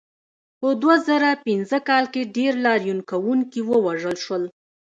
په دوه زره پنځه کال کې ډېر لاریون کوونکي ووژل شول.